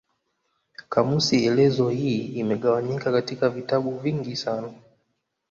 Kamusi elezo hii imegawanyika katika vitabu vingi sana.